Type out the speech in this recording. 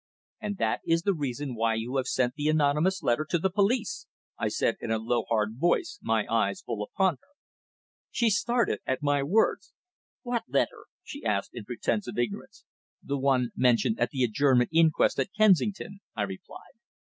"And that is the reason why you have sent the anonymous letter to the police!" I said in a low, hard voice, my eyes full upon her. She started at my words. "What letter?" she asked, in pretence of ignorance. "The one mentioned at the adjourned inquest at Kensington," I replied.